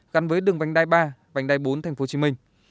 gắn với đường vành đai ba vành đai bốn tp hcm